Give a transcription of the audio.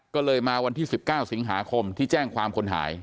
ก็เลยมาวันที่๑๙สิงหาคมที่แจ้งความคนหาย